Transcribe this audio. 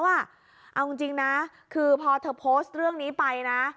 เอาจริงนะคือพอเธอโพสต์เรื่องนี้ไปนะ